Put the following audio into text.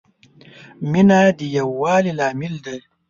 مینه د یووالي لامل ده.